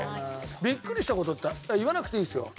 ビックリした事って言わなくていいですよ。